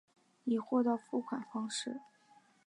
以货到付款方式